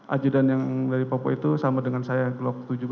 ajudan yang dari papua itu sama dengan saya glock tujuh belas